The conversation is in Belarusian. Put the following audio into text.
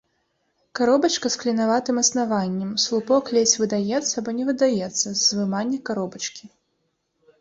Каробачка з клінаватым аснаваннем, слупок ледзь выдаецца або не выдаецца з вымання каробачкі.